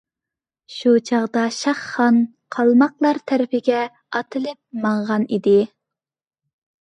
شۇ چاغدا شاھ خان قالماقلار تەرىپىگە ئاتلىنىپ ماڭغان ئىدى.